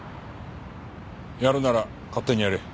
やるなら勝手にやれ。